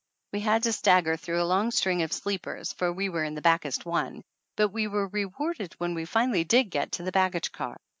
We had to stagger through a long string of sleepers, for we were in the backest one, but we were rewarded when we finally did get to the baggage car.